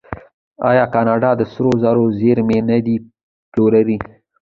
آیا کاناډا د سرو زرو زیرمې نه دي پلورلي؟